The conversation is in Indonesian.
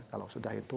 kalau sudah itu